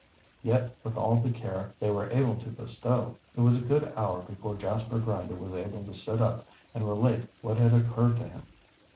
Yet, with all the care they were able to bestow, it was a good hour before Jasper Grinder was able to sit up and relate what had occurred to him.